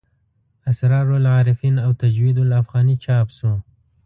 اسرار العارفین او تجوید الافغاني چاپ شو.